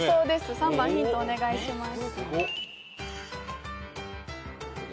３番ヒントお願いします。